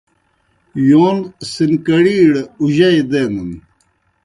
یون سِنکڑِیڑ اُجئی دینَن۔